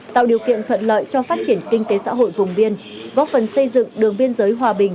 tạo điều kiện thuận lợi cho phát triển kinh tế xã hội vùng biên góp phần xây dựng đường biên giới hòa bình